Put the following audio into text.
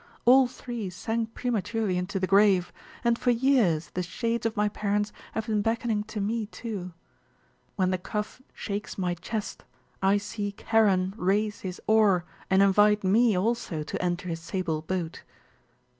All three sank prematurely into the grave, and for years the shades of my parents have been beckoning to me too. When the cough shakes my chest, I see Charon raise his oar and invite me also to enter his sable boat."